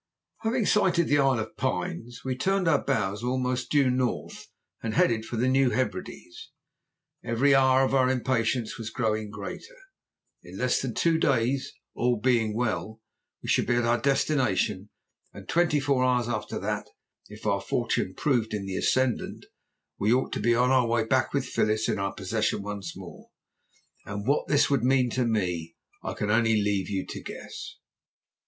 Having sighted the Isle of Pines we turned our bows almost due north and headed for the New Hebrides. Every hour our impatience was growing greater. In less than two days, all being well, we should be at our destination, and twenty four hours after that, if our fortune proved in the ascendant, we ought to be on our way back with Phyllis in our possession once more. And what this would mean to me I can only leave you to guess.